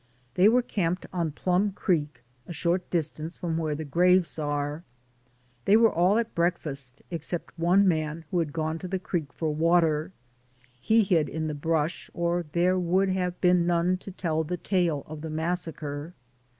They were camped on Plum Creek, a short distance from where the graves are. They were all at breakfast except one man who had gone to the creek for water, he hid in the brush, or there would have been none to tell the tale of the massacre.